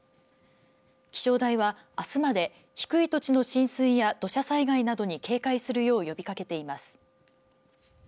気象台は、あすまで低い土地の浸水や土砂災害などに警戒するよう呼びかけています。